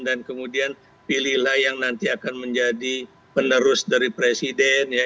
dan kemudian pilihlah yang nanti akan menjadi penerus dari presiden ya